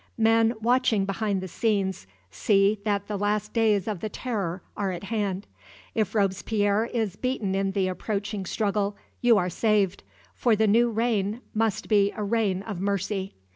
Men watching behind the scenes see that the last days of the Terror are at hand. If Robespierre is beaten in the approaching struggle, you are saved for the new reign must be a Reign of Mercy.